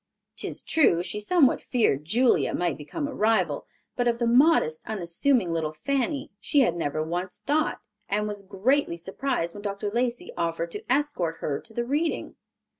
'Tis true, she somewhat feared Julia might become a rival, but of the modest, unassuming little Fanny, she had never once thought, and was greatly surprised when Dr. Lacey offered to escort her to the reading.